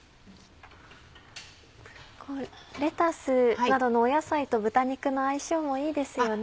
レタスなどの野菜と豚肉の相性もいいですよね。